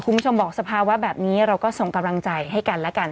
คุณผู้ชมบอกสภาวะแบบนี้เราก็ส่งกำลังใจให้กันแล้วกัน